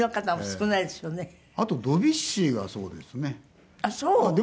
あとドビュッシーがそうですね。